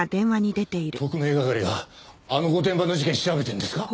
特命係があの御殿場の事件調べてるんですか？